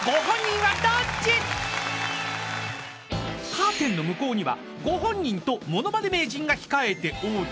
［カーテンの向こうにはご本人とものまね名人が控えており］